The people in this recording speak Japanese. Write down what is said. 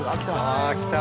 ああ来た！